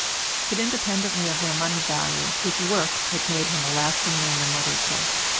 But independently of their money value, his works had made him a lasting name in literature.